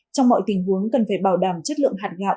trong mọi tình huống cần phải bảo đảm chất lượng hạt gạo